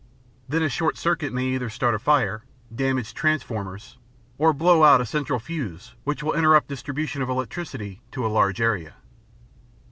Then a short circuit may either start a fire, damage transformers, or blow out a central fuse which will interrupt distribution of electricity to a large area.